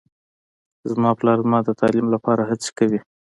زما پلار زما د تعلیم لپاره هڅې کوي